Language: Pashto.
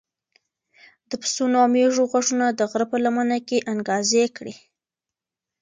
د پسونو او مېږو غږونه د غره په لمنه کې انګازې کړې.